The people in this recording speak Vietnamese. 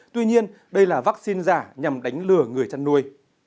tuy nhiên đây là vaccine giả nhằm đánh lừa người chăn nuôi